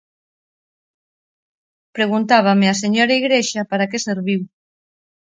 Preguntábame a señora Igrexa para que serviu.